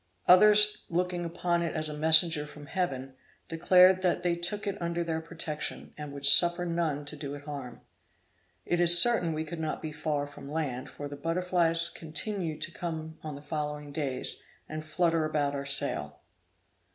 Others looking upon it as a messenger from Heaven, declared that they took it under their protection, and would suffer none to do it harm. It is certain we could not be far from land, for the butterflies continued to come on the following days, and flutter about our sail.